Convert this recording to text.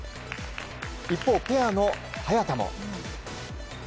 一方、ペアの早田も。